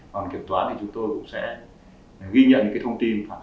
còn kiểm toán thì chúng tôi cũng sẽ ghi nhận những thông tin phản hành